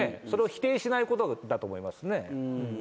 それを否定しないことだと思いますね